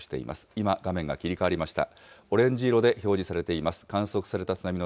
今、画面が切り替わりました。